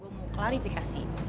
gue mau klarifikasi